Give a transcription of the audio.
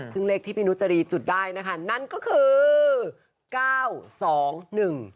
ซึ่งเลขที่พี่นุจรีจุดได้นะคะนั่นก็คือ๙๒๑